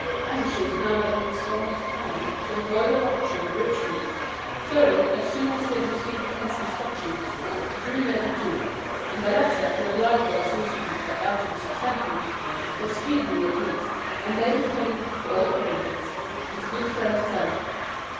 Anxious, now that he was somewhat calmer, to avoid a rupture with Richmond, Surrey, as soon as he had received the king's instructions, drew near the duke; and the latter, who had likewise reasoned himself out of his resentment, was speedily appeased, and they became, to all appearance, as good friends as ever.